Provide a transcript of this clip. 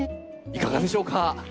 いかがでしょうか？